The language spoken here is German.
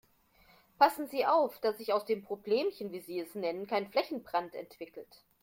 Passen Sie auf, dass sich aus dem Problemchen, wie Sie es nennen, kein Flächenbrand entwickelt.